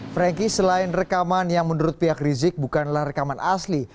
frankie selain rekaman yang menurut pihak rizik bukanlah rekaman asli